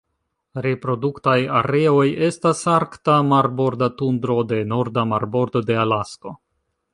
Reproduktaj areoj estas Arkta marborda tundro de norda marbordo de Alasko.